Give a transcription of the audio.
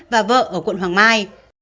và vợ ở quận hoàng mai